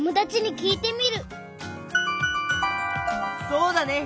そうだね！